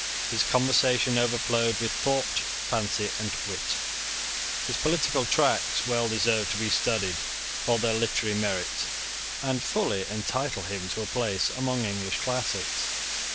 His conversation overflowed with thought, fancy, and wit. His political tracts well deserve to be studied for their literary merit, and fully entitle him to a place among English classics.